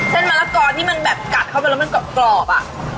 มะละกอที่มันแบบกัดเข้าไปแล้วมันกรอบอ่ะ